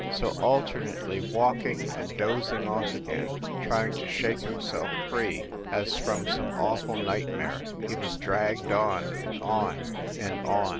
So, alternately walking and dozing off again, trying to shake himself free, as from some awful nightmare, he was dragged on, and on, and on.